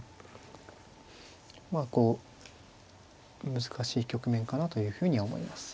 まあこう難しい局面かなというふうには思います。